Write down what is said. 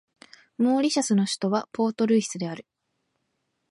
モーリシャスの首都はポートルイスである